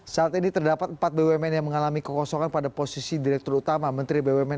saat ini terdapat empat bumn yang mengalami kekosongan pada posisi direktur utama menteri bumn